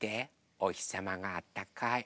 おひさまがあったかい。